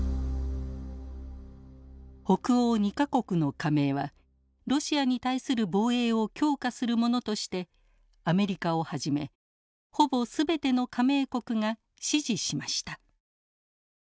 北欧２か国の加盟はロシアに対する防衛を強化するものとしてアメリカをはじめほぼ全ての加盟国が支持しました。